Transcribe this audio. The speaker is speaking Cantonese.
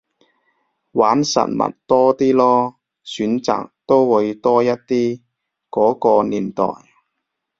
玩實物多啲囉，選擇都會多一啲，嗰個年代